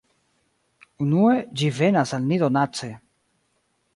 Unue, ĝi venas al ni donace.